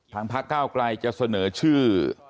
ทางภาคกล้าวใกล้จะเสนอชื่อ